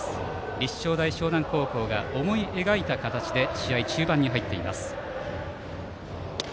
立正大淞南高校が思い描いた形で試合中盤に入っています。